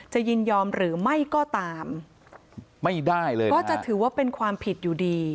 ยินยอมหรือไม่ก็ตามไม่ได้เลยก็จะถือว่าเป็นความผิดอยู่ดี